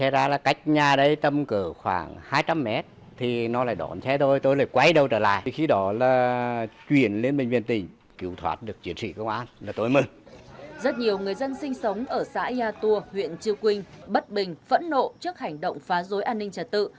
rất nhiều người dân sinh sống ở xã yatua huyện chư quynh bất bình phẫn nộ trước hành động phá rối an ninh trả tự